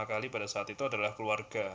dua kali pada saat itu adalah keluarga